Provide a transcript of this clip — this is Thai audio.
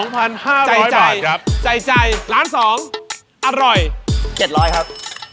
๒๕๐๐บาทครับใจร้าน๒อร่อย๗๐๐ครับ